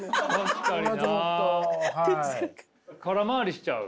空回りしちゃう？